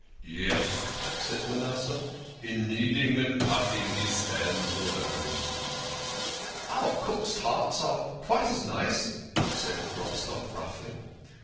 Yes," said Manasseh, " in kneading and puffing he stands alone." "Our cook's tarts are quite as nice," said Grobstock roughly.